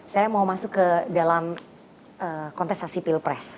saya mau masuk ke dalam kontestasi pilpres